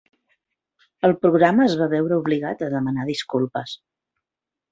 El programa es va veure obligat a demanar disculpes.